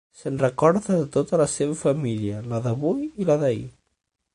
Se'n recordà de tota la seva família, la d'avui i la d'ahir.